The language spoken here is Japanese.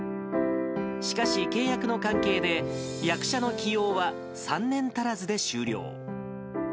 しかし、契約の関係で役者の起用は３年足らずで終了。